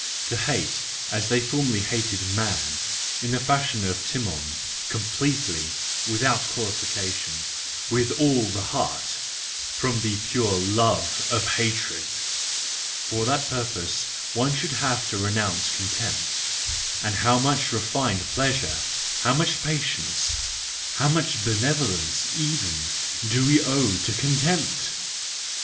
To hate as they formerly hated man y in the fashion of Timon, completely, without qualification, with all the heart, from the pure love of hatred — for that purpose one would have to renounce contempt: — and how much refined pleasure, how much patience, how much bene¬ volence even, do we owe to contempt!